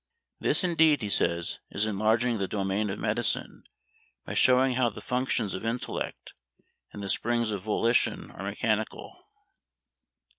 This indeed, he says, is enlarging the domain of medicine, by showing how the functions of intellect and the springs of volition are mechanical.